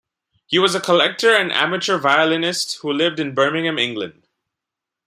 He was a collector and amateur violinist who lived in Birmingham, England.